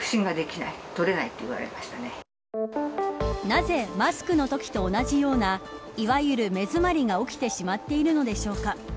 なぜマスクのときと同じようないわゆる目詰まりが起きてしまっているのでしょうか。